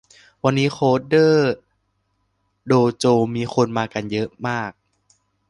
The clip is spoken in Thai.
วันนี้โค้ดเดอร์โดโจมีคนมากันเยอะมาก